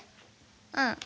うん。